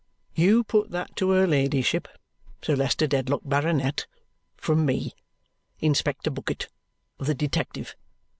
"You put that to her ladyship, Sir Leicester Dedlock, Baronet, from me, Inspector Bucket of the Detective.